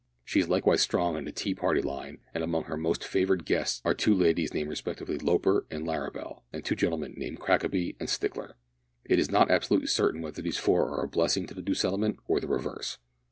She is likewise strong in the tea party line, and among her most favoured guests are two ladies named respectively Loper and Larrabel, and two gentlemen named Crackaby and Stickler. It is not absolutely certain whether these four are a blessing to the new settlement or the reverse.